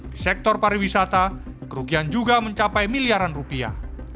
di sektor pariwisata kerugian juga mencapai miliaran rupiah